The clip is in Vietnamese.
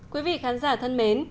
quý vị khán giả thân mến